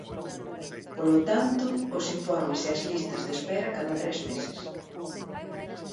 Polo tanto, os informes e as listas de espera cada tres meses.